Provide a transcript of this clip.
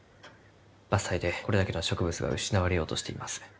伐採でこれだけの植物が失われようとしています。